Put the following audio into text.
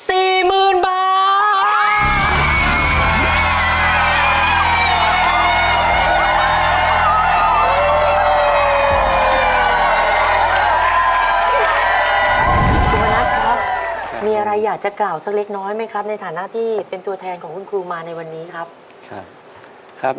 คุณมณัฐครับมีอะไรอยากจะกล่าวสักเล็กน้อยไหมครับในฐานะที่เป็นตัวแทนของคุณครูมาในวันนี้ครับ